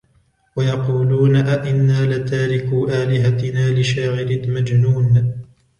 ويقولون أئنا لتاركو آلهتنا لشاعر مجنون